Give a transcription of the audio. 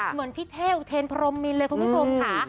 เหมือนพี่เท่อุเทนพรมมินเลยคุณผู้ชมค่ะ